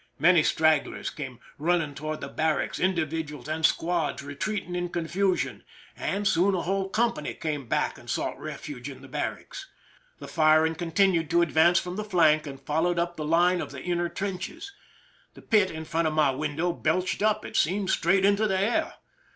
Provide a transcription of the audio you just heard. Many stragglers came running toward the barracks, individuals and squads re treating in confusion, and soon a whole company 13 279 THE SINKING OF THE "MERRIMAC". came back and sought refuge in the barracks. The firing continued to advance from the flank, and fol lowed up the line of the inner trenches. The pit in front of my window belched up, it seemed, straight into the air.